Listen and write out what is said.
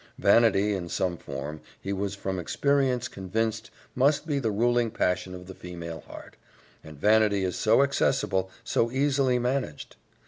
Vanity, in some form, he was from experience convinced must be the ruling passion of the female heart and vanity is so accessible, so easily managed.